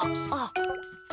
あっ。